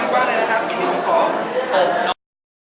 โปรดติดตามตอนต่อไป